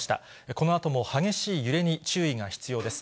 このあとも激しい揺れに注意が必要です。